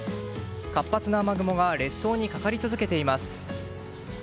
活発な雨雲が列島にかかり続けています。